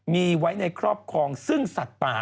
มีไว้ในครอบครองซึ่งสัตว์ป่า